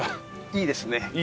いいですね。